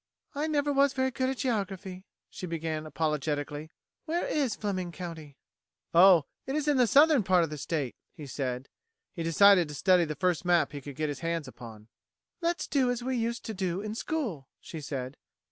"I never was very good at geography," she began apologetically. "Where is Fleming County?" "Oh, it is in the southern part of the state," he said. He decided to study the first map he could get his hands upon. "Let's do as we used to do in school," she said.